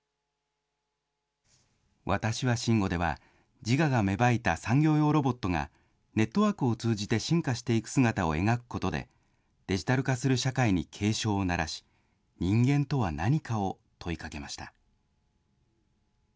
わたしは真悟では、自我が芽生えた産業用ロボットが、ネットワークを通じて進化していく姿を描くことで、デジタル化する社会に警鐘を鳴らし、人間とは何かを問いかけました。